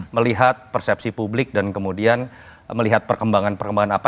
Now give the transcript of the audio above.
melihat persepsi publik dan kemudian melihat perkembangan perkembangan apa